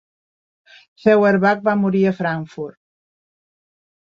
Feuerbach va morir a Frankfurt.